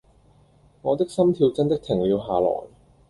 我的心跳真的停了下來